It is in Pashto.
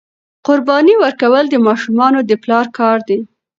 قرباني ورکول د ماشومانو د پلار کار دی.